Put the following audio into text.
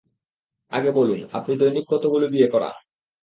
আগে বলুন, আপনি দৈনিক কতগুলো বিয়ে করান?